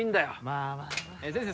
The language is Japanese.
まあまあまあ先生